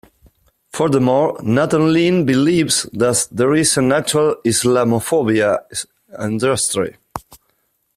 Furthermore, Nathan Lean believes that there is an actual Islamophobia Industry.